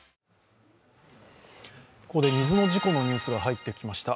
ここで水の事故のニュースが入ってきました。